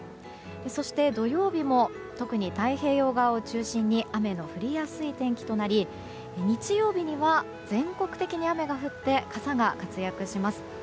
そして、土曜日も特に太平洋側を中心に雨の降りやすい天気となり日曜日には全国的に雨が降って傘が活躍します。